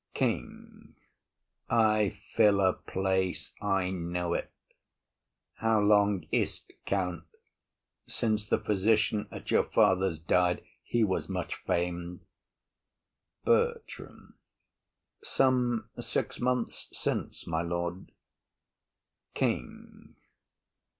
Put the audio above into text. KING. I fill a place, I know't. How long is't, Count, Since the physician at your father's died? He was much fam'd. BERTRAM. Some six months since, my lord. KING.